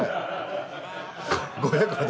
５００まで。